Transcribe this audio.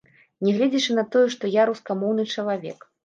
Нягледзячы на тое, што я рускамоўны чалавек.